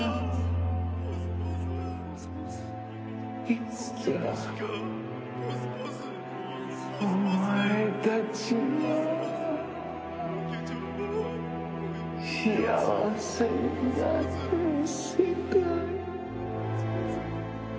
いつかお前たちが幸せになれる世界に。